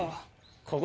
ここ。